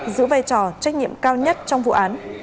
giữ vai trò trách nhiệm cao nhất trong vụ án